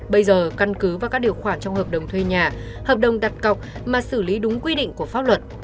bây giờ căn cứ vào các điều khoản trong hợp đồng thuê nhà hợp đồng đặt cọc mà xử lý đúng quy định của pháp luật